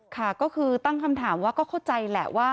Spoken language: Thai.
ค่ะก็คือตั้งคำถามว่าก็เข้าใจแหละว่า